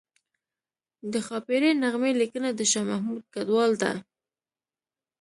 د ښاپیرۍ نغمې لیکنه د شاه محمود کډوال ده